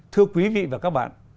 thưa quý vị và các bạn